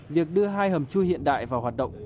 việc đưa hai hầm chui hiện đại vào hoạt động